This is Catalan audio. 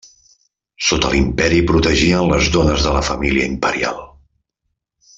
Sota l'imperi protegien les dones de la família imperial.